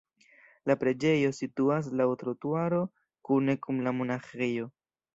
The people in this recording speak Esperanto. La preĝejo situas laŭ la trotuaro kune kun la monaĥejo.